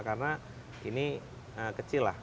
karena ini kecil lah